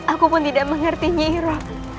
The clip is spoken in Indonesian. aku pun tidak mengerti nyira